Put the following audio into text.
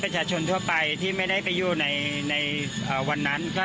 ประชาชนทั่วไปที่ไม่ได้ไปอยู่ในวันนั้นก็